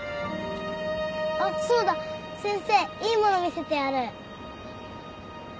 あっそうだ先生いいもの見せてやる。